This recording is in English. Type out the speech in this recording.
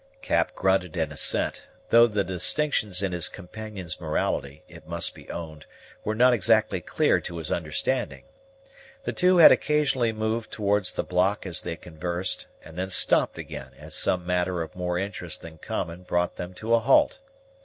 Cap grunted an assent, though the distinctions in his companion's morality, it must be owned, were not exactly clear to his understanding. The two had occasionally moved towards the block as they conversed, and then stopped again as some matter of more interest than common brought them to a halt.